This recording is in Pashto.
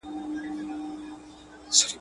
ددې خاوري ارغوان او زغن زما دی.